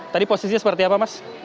tadi posisinya seperti apa mas